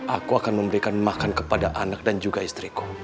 aku akan memberikan makan kepada anak dan juga istriku